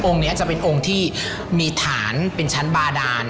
นี้จะเป็นองค์ที่มีฐานเป็นชั้นบาดาน